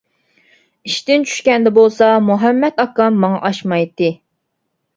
ئىشتىن چۈشكەندە بولسا مۇھەممەت ئاكام ماڭا ئاشمايتتى.